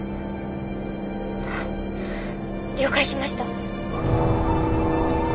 了解しました。